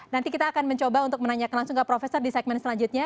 nanti kita akan mencoba untuk menanyakan langsung ke profesor di segmen selanjutnya